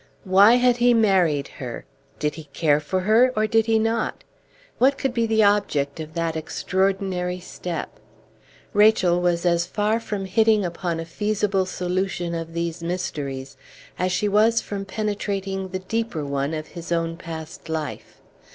Why had he married her? Did he care for her, or did he not? What could be the object of that extraordinary step? Rachel was as far from hitting upon a feasible solution of these mysteries as she was from penetrating the deeper one of his own past life.